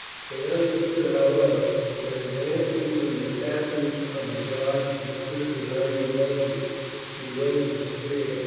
They understood, however, when advancing to the statues of the gods that stood behind the altars, she waved her spear.